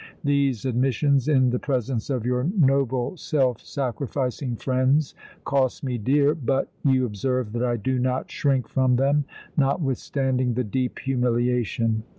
These admissions in the presence of your noble, self sacrificing friends cost me dear, but, you observe that I do not shrink from them, notwithstanding the deep humiliation.